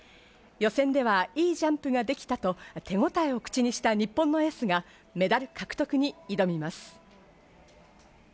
予選ではいいジャンプができたと手応えを口にした日本のエースがメダル獲得に挑みます。